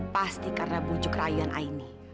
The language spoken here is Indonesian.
pasti karena bujuk rayuan aini